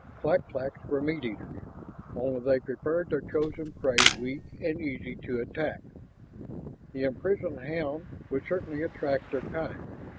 Clak claks were meat eaters, only they preferred their chosen prey weak and easy to attack. The imprisoned hound would certainly attract their kind.